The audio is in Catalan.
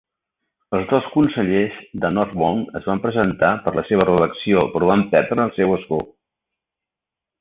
Els dos consellers de North Down es van presentar per a la seva reelecció, però van perdre el seu escó.